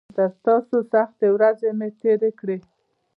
تر تاسو سختې ورځې مې تېرې کړي.